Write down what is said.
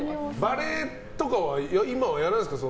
バレーとかは今はやられるんですか？